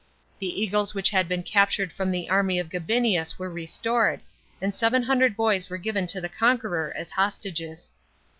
The eagles which had been captured from the army of Gabinius were restored, and 700 boys were given to the conqueror as hostages.